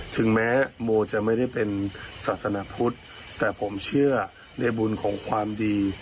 ถึงแม้โมจะไม่ได้เป็นศาสนาพุทธแต่ผมเชื่อในบุญของความดี